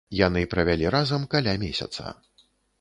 Яны правялі разам каля месяца.